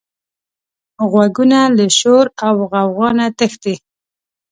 غوږونه له شور او غوغا نه تښتي